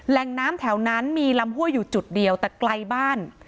แหล่งน้ำแถวนั้นมีลำห้วยอยู่จุดเดียวแต่ไกลบ้าน